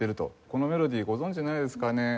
このメロディーご存じないですかね？